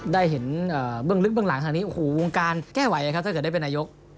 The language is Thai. ได้เห็นเบื้องลึกเบื้องหลังทางนี้โอ้โหวงการแก้ไหวครับถ้าเกิดได้เป็นนายก